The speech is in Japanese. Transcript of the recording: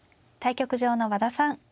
対局場の和田さん